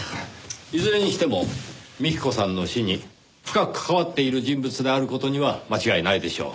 いずれにしても幹子さんの死に深く関わっている人物である事には間違いないでしょう。